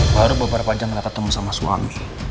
baru beberapa jam gak ketemu sama suami